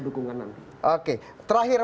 dukungan nanti oke terakhir